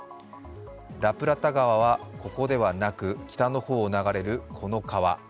ラプラタ川はここではなく北の方を流れる、この川。